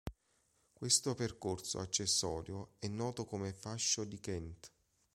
Questo percorso accessorio è noto come fascio di Kent.